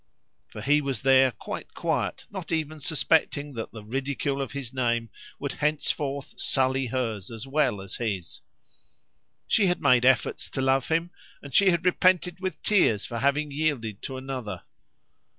For he was there quite quiet, not even suspecting that the ridicule of his name would henceforth sully hers as well as his. She had made efforts to love him, and she had repented with tears for having yielded to another!